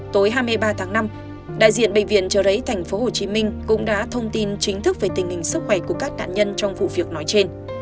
tối hai mươi ba tháng năm đại diện bệnh viện trợ rẫy tp hcm cũng đã thông tin chính thức về tình hình sức khỏe của các nạn nhân trong vụ việc nói trên